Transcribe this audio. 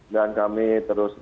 dan kami terus